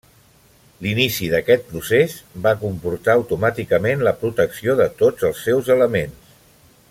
L'inici d'aquest procés va comportar, automàticament, la protecció de tots els seus elements.